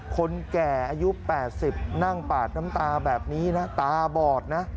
คนแก่อายุ๘๐นั่งปาดน้ำตาแบบนี้นะตาบอดนะ